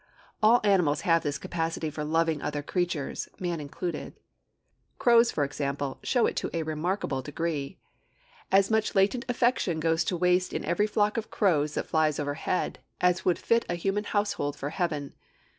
All animals have this capacity for loving other creatures, man included. Crows, for example, show it to a remarkable degree. 'As much latent affection goes to waste in every flock of crows that flies overhead as would fit a human household for heaven.'